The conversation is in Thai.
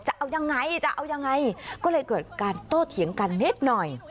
จะเอายังไงจะเอายังไงก็เลยเกิดการโต้เถียงกันนิดหน่อย